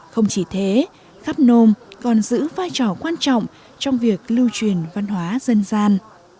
không chỉ thế khắp nôm còn giữ vai trò quan trọng trong việc lưu truyền văn hóa dân gian